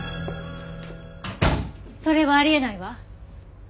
それはあり得ないわ。